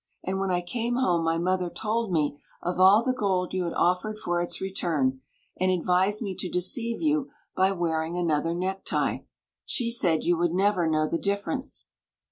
And when I came home my mother told me of all the gold you had offered for its return, and advised me to deceive you by wearing another necktie. She said y6u would never know the difference.